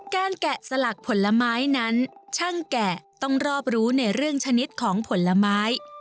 แกะสลักผลไม้นั้นช่างแกะต้องรอบรู้ในเรื่องชนิดของผลไม้